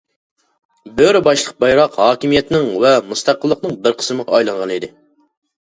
بۆرە باشلىق بايراق ھاكىمىيەتنىڭ ۋە مۇستەقىللىقنىڭ بىر قىسمىغا ئايلانغانىدى.